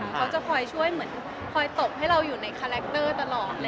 เขาจะคอยช่วยเหมือนคอยตบให้เราอยู่ในคาแรคเตอร์ตลอด